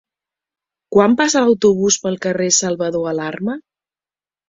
Quan passa l'autobús pel carrer Salvador Alarma?